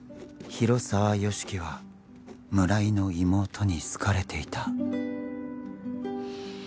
「広沢由樹は村井の妹に好かれていた」